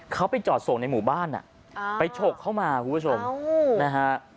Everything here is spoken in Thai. เขาไปจอดส่งในหมู่บ้านอ่ะอ่าไปโฉกเข้ามาคุณผู้ชมอ้าวนะฮะ